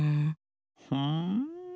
ふん？